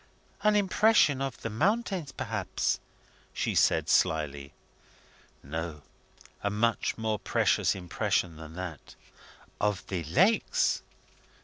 "An impression of the mountains, perhaps?" she said slyly. "No; a much more precious impression than that." "Of the lakes?"